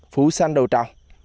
phủ xanh đầu trào